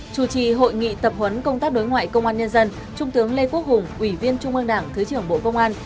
chủ trì hội nghị tập huấn công tác đối ngoại công an nhân dân trung tướng lê quốc hùng ủy viên trung ương đảng thứ trưởng bộ công an